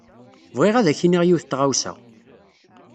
Bɣiɣ ad ak-iniɣ yiwet n tɣawsa.